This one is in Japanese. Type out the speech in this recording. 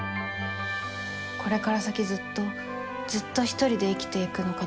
これから先ずっとずっとひとりで生きていくのかと思うと。